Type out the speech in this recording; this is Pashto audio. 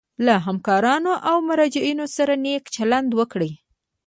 له همکارانو او مراجعینو سره نیک چلند وکړي.